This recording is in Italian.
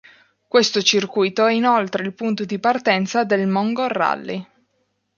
Questo circuito è inoltre il punto di partenza del Mongol Rally.